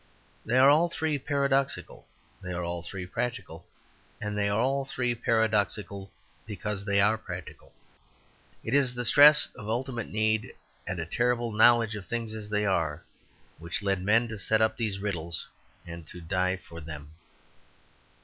They are all three paradoxical, they are all three practical, and they are all three paradoxical because they are practical. it is the stress of ultimate need, and a terrible knowledge of things as they are, which led men to set up these riddles, and to die for them.